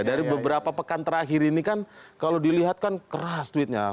dari beberapa pekan terakhir ini kan kalau dilihat kan keras tweetnya